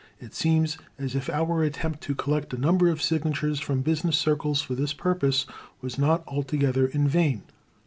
It seems as if our attempt to collect a number of signatures from business circles for this purpose was not altogether in vain